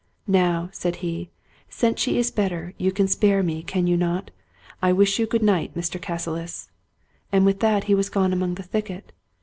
" Now," said he, " since she is better, you can spare me, can you not? I wish you a good night, Mr. Cassilis." And with that he was gone among the thicket.